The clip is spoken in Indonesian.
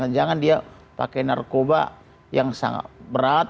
jangan dia pakai narkoba yang sangat berat